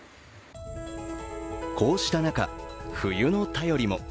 こうした中、冬の便りも。